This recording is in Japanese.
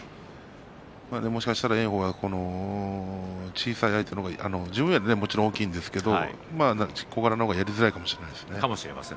もしかしたら炎鵬が小さい相手自分より、もちろん大きいんですけれども小柄な方がやりづらいかもしれませんね。